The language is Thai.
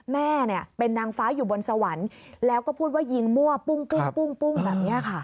แม่เป็นนางฟ้าอยู่บนสวรรค์แล้วก็พูดว่ายิงมั่วปุ้งปุ้งแบบนี้ค่ะ